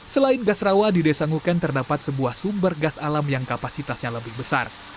selain gas rawa di desa nguken terdapat sebuah sumber gas alam yang kapasitasnya lebih besar